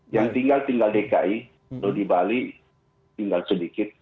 yang tinggal tinggal dki atau di bali tinggal sedikit